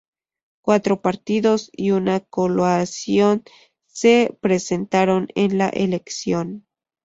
Cuatro partidos y una coalición se presentaron en la elección.